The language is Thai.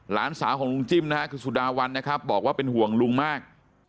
หลานสาวของลุงจิ้มนะฮะคือสุดาวันนะครับบอกว่าเป็นห่วงลุงมาก